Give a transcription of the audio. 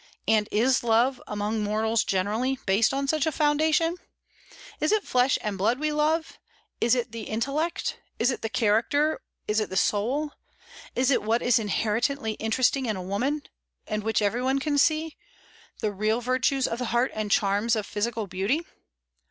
And is love, among mortals generally, based on such a foundation? Is it flesh and blood we love; is it the intellect; is it the character; is it the soul; is it what is inherently interesting in woman, and which everybody can see, the real virtues of the heart and charms of physical beauty?